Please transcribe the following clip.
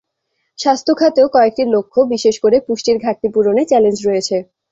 স্বাস্থ্য খাতেও কয়েকটি লক্ষ্য, বিশেষ করে পুষ্টির ঘাটতি পূরণে চ্যালেঞ্জ রয়েছে।